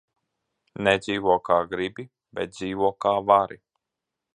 Nedzīvo, kā gribi, bet dzīvo, kā vari.